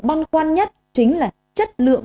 băn khoăn nhất chính là chất lượng